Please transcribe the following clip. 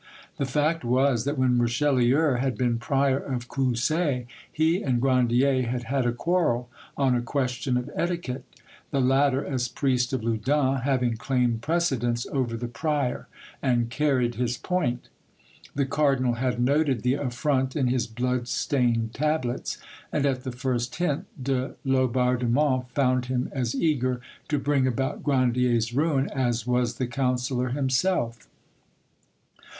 The fact was, that when Richelieu had been Prior of Coussay he and Grandier had had a quarrel on a question of etiquette, the latter as priest of Loudun having claimed precedence over the prior, and carried his point. The cardinal had noted the affront in his bloodstained tablets, and at the first hint de Laubardemont found him as eager to bring about Grandier's ruin as was the councillor himself.